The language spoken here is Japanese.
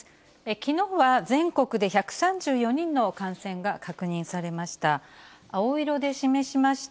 きのうは全国で１３４人の感染が確認されました。